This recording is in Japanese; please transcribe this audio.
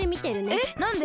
えっなんで？